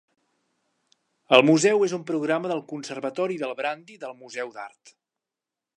El museu és un programa del Conservatori del Brandi del Museu d'Art.